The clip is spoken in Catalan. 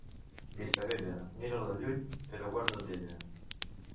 Vistabella, mira-la de lluny, però guarda't d'ella.